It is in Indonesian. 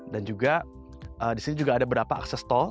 dan juga di sini juga ada beberapa akses tol